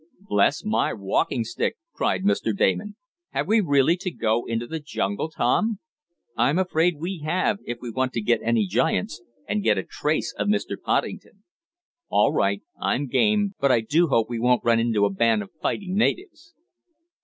"Bless my walking stick!" cried Mr. Damon. "Have we really to go into the jungle, Tom?" "I'm afraid we have, if we want to get any giants, and get a trace of Mr. Poddington." "All right, I'm game, but I do hope we won't run into a band of fighting natives."